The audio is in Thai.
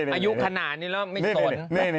อายุขนาดนี้แล้วไม่สน